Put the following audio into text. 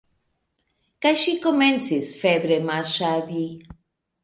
Kaj ŝi komencis febre marŝadi.